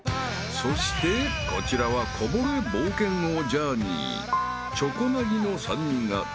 ［そしてこちらはこぼれ冒険王ジャーニー］